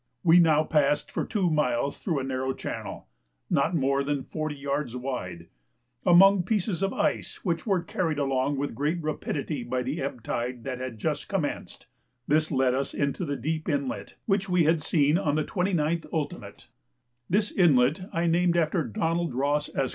We now passed for two miles through a narrow channel not more than 40 yards wide among pieces of ice which were carried along with great rapidity by the ebb tide that had just commenced; this led us into the deep inlet which we had seen on the 29th ult. This inlet I named after Donald Ross, Esq.